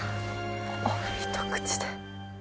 お一口で。